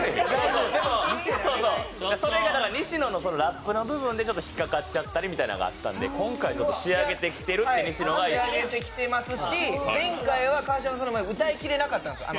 西野のラップの部分で引っかかっちゃった部分があって、今回、仕上げてきてるって西野がはい、仕上げてきてますし前回は川島さんの前で歌いきれなかったんです。